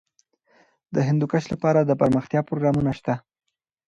د هندوکش لپاره دپرمختیا پروګرامونه شته.